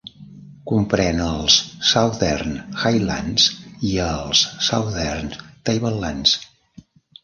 Comprèn els Southern Highlands i els Southern Tablelands.